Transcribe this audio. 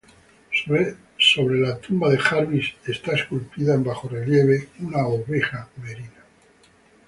Sobre de la tumba de Jarvis esta esculpida en bajorrelieve una oveja merina.